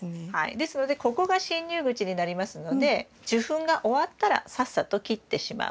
ですのでここが進入口になりますので受粉が終わったらさっさと切ってしまう。